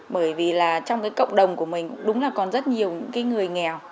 bởi vì là trong cái cộng đồng của mình đúng là còn rất nhiều những người nghèo